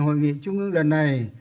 hội nghị trung ương lần này